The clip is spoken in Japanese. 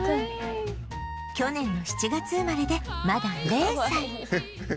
去年の７月生まれでまだ０歳